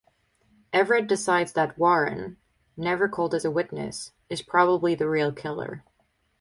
Everett decides that Warren, never called as a witness, is probably the real killer.